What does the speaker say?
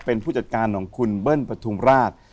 เป็นผู้จัดการของคุณเบิ้ลปฐุมราช